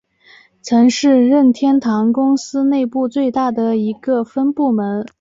曾是任天堂公司内部最大的一个分部门。